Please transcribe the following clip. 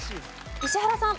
石原さん。